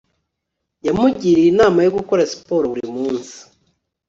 yamugiriye inama yo gukora siporo buri munsi